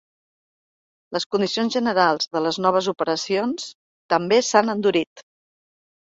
Les condicions generals de les noves operacions també s’han endurit.